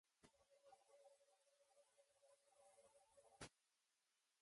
They teach you atheism and these false prophets.